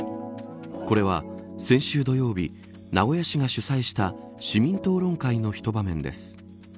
これは先週土曜日名古屋市が主催した市民討論会の一場面です。